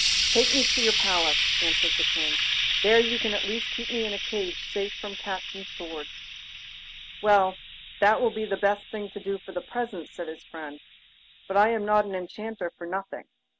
'Take me to your palace,' answered the King; 'there you can at least keep me in a cage safe from cats and swords.' 'Well, that will be the best thing to do for the present,' said his friend. 'But I am not an Enchanter for nothing.